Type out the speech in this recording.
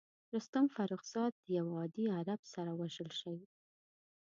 رستم فرخ زاد د یوه عادي عرب سره وژل شي.